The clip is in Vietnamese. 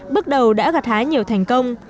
bước đầu đã gặt hái nhiều thành công